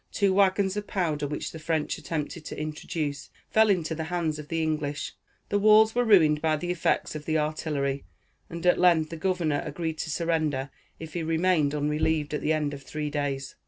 Two wagons of powder, which the French attempted to introduce, fell into the hands of the English; the walls were ruined by the effects of the artillery, and at length the governor agreed to surrender, if he remained unrelieved at the end of three days.